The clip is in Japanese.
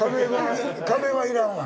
壁は要らんわ。